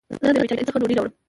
زه د بټاری څخه ډوډي راوړم